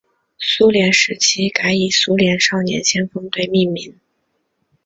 苏联时期改以苏联少年先锋队命名。